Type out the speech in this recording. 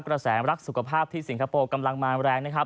กระแสรักสุขภาพที่สิงคโปร์กำลังมาแรงนะครับ